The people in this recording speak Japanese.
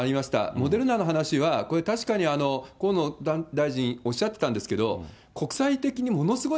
モデルナの話は、確かに河野大臣おっしゃってたんですけど、国際的にものすごい